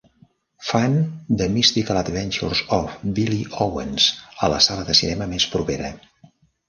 Fan The Mystical Adventures of Billy Owens a la sala de cinema més propera